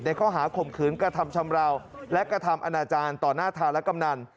ข้อหาข่มขืนกระทำชำราวและกระทำอนาจารย์ต่อหน้าธารกำนัน